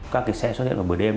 các cái xe xuất hiện vào buổi đêm